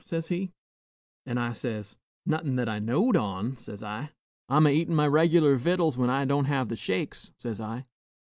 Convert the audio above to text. says he; an' I says, 'No'hun that I know'd on,' says I, 'I'm a eatin' my reg'l'r victuals whin I don't have the shakes,' says I.